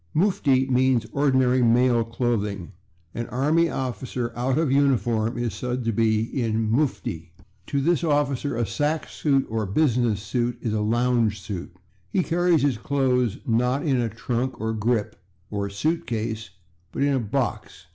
/Mufti/ means ordinary male clothing; an army officer out of uniform is said to be in /mufti/. To this officer a sack suit or business suit is a /lounge suit/. He carries his clothes, not in a /trunk/ or /grip/ or /suit case/, but in a /box